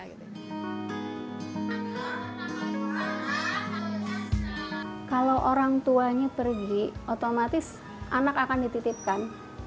kalau orang tuanya pergi otomatis anak akan dititipkan